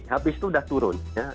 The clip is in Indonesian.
habis itu udah turun